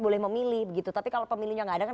boleh memilih begitu tapi kalau pemilunya nggak ada kan